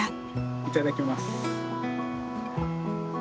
いただきます。